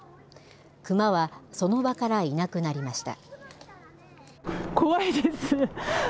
クマはその場からいなくなりました。